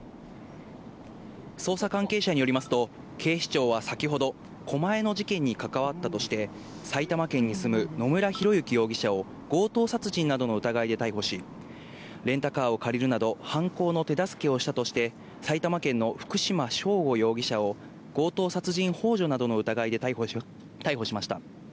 捜査関係者によりますと警視庁は先ほど狛江の事件に関わったとして、埼玉県に住む野村広之容疑者を強盗殺人などの疑いで逮捕し、レンタカーを借りるなど、犯行の手助けをしたとして、埼玉県の福島聖悟容疑者を強盗殺人ほう助などの疑いで逮捕しました。